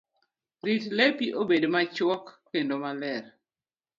Rit lepi obed machuok kendo maler.